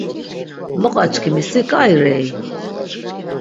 Loqaçkimi si ǩai rei?